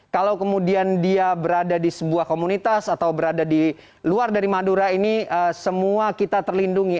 kalau kemudian dia berada di sebuah komunitas atau berada di luar dari madura ini semua kita terlindungi